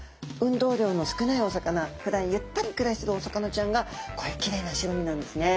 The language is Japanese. ふだんゆったり暮らしてるお魚ちゃんがこういうきれいな白身なんですね。